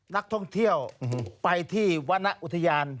นักท่องเที่ยวไปที่วรรณอุทยาน